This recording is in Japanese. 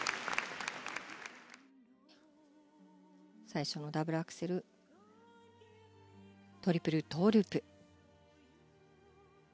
最初のダブルアクセルトリプルトウループ。